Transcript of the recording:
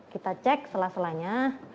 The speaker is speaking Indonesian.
kita cek selaselanya